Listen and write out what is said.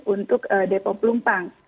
untuk depo pelumpang